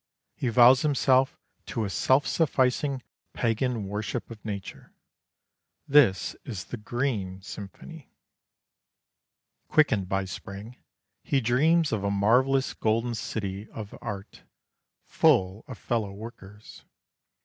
He vows himself to a self sufficing pagan worship of nature. This is the "Green Symphony." Quickened by spring, he dreams of a marvellous golden city of art, fall of fellow workers.